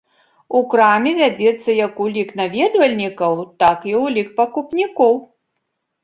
У краме вядзецца як ўлік наведвальнікаў, так і ўлік пакупнікоў.